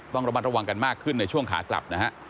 ต้องระมัดระวังกันมากขึ้นในช่วงขากลับนะฮะ